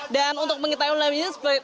dan untuk mengetahui lebih lanjut